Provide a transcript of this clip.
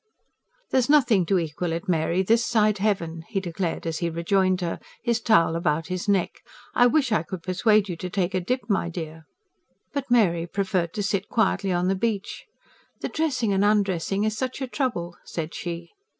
"There's nothing to equal it, Mary, this side Heaven!" he declared as he rejoined her, his towel about his neck. "I wish I could persuade you to try a dip, my dear." But Mary preferred to sit quietly on the beach. "The dressing and undressing is such a trouble," said she.